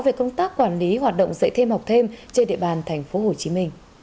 về công tác quản lý hoạt động dạy thêm học thêm trên địa bàn tp hcm